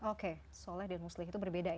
oke soleh dan muslim itu berbeda ya